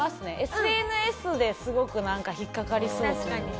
ＳＮＳですごく引っかかりそうというか。